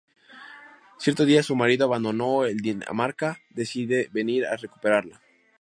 Cierto día, su marido, abandonado en Dinamarca, decide venir a recuperarla.